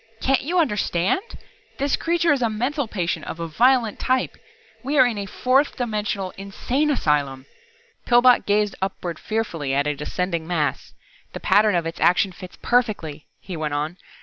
"Can't you understand! This Creature is a mental patient of a violent type. We are in a fourth dimensional insane asylum!" Pillbot gazed upward fearfully at a descending mass. "The pattern of its action fits perfectly," he went on.